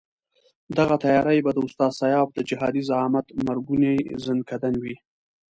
دغه تیاري به د استاد سیاف د جهادي زعامت مرګوني ځنکندن وي.